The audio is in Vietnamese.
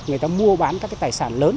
người ta mua bán các tài sản lớn